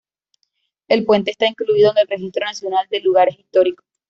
El puente está incluido en el Registro Nacional de Lugares Históricos.